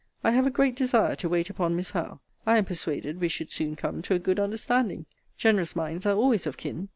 I have a great desire to wait upon Miss Howe. I am persuaded we should soon come to a good understanding. Generous minds are always of kin.